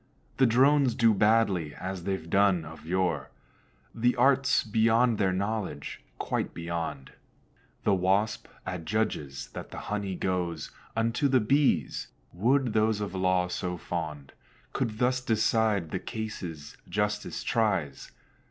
The Drones do badly, as they've done of yore; The art's beyond their knowledge, quite beyond. The Wasp adjudges that the honey goes Unto the Bees: would those of law so fond Could thus decide the cases justice tries.